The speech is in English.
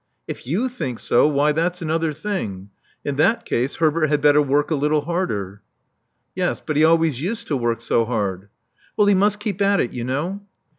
•'If you think so, why, that's another thing. In that case, Herbert had better work a little harder." "Yes; but he always used to work so hard." •'Well, he must keep at it, you know."